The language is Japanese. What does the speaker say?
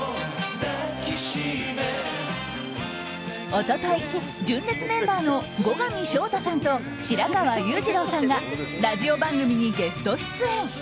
一昨日、純烈メンバーの後上翔太さんと白川裕二郎さんがラジオ番組にゲスト出演。